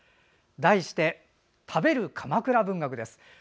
題して「食べる！鎌倉文学」です。